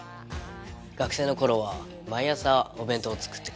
学生の頃は毎朝お弁当作ってくれて。